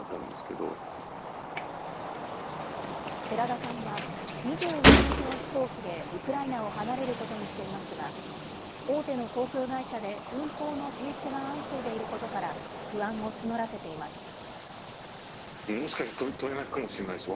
寺田さんは、２１日の飛行機でウクライナを離れることにしていますが、大手の航空会社で運航の停止が相次いでいることから、不安を募らせています。